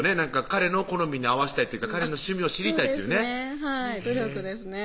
彼の好みに合わしたいっていうか彼の趣味を知りたいっていうね努力ですね